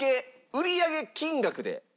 売上金額？